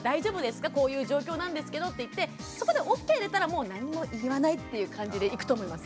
こういう状況なんですけどって言ってそこでＯＫ出たらもう何も言わないっていう感じでいくと思います。